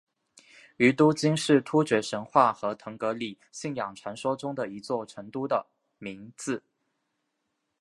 于都斤是突厥神话和腾格里信仰传说中的一座都城的名字。